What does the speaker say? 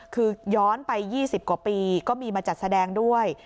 คือย้อนไป๒๐กว่าปีก็มีมาจัดแสดงด้วย